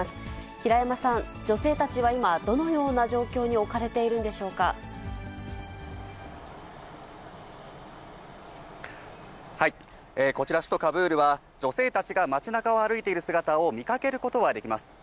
平山さん、女性たちは今、どのような状況に置かれているんでしょこちら、首都カブールは女性たちが街なかを歩いている姿を見かけることはできます。